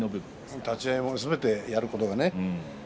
立ち合いもすべてやることがね